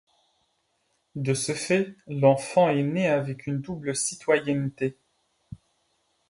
De ce fait, l'enfant est né avec une double citoyenneté.